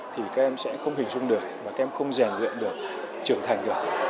thì các em sẽ không hình dung được và các em không rèn luyện được trưởng thành được